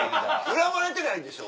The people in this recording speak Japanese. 恨まれてないんでしょ？